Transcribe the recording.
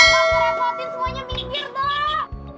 apa ngerepotin semuanya minggir dong